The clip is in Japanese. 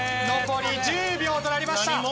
残り１０秒となりました。